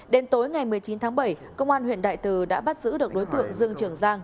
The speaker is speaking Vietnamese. đến tối ngày một mươi chín tháng bảy công an huyện đại từ đã bắt giữ được đối tượng dương trường giang